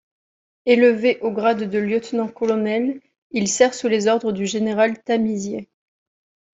Élevé au grade de lieutenant-colonel, il sert sous les ordres du général Tamisier.